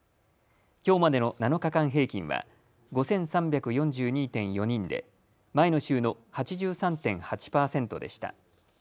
きょうまでの７日間平均は５３４２．４人で前の週の８３．８％でした。